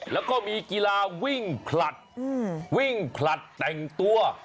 แล้วก็มีกีฬาวิ่งผลัดวิ่งผลัดแต่งตัว